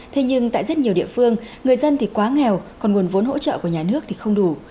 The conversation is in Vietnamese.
thế nhưng tại rất nhiều địa phương người dân thì quá nghèo còn nguồn vốn hỗ trợ của nhà nước thì không đủ